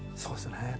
そうですね。